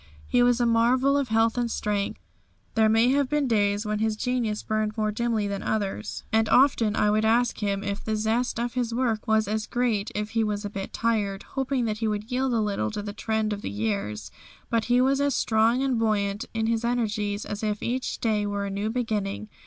He was a marvel of health and strength. There may have been days when his genius burned more dimly than others, and often I would ask him if the zest of his work was as great if he was a bit tired, hoping that he would yield a little to the trend of the years, but he was as strong and buoyant in his energies as if each day were a new beginning.